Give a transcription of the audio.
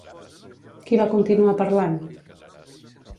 Qui va continuar parlant?